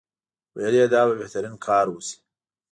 ویل یې دا به بهترین کار وشي.